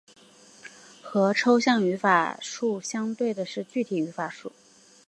和抽象语法树相对的是具体语法树。